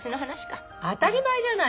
当たり前じゃない。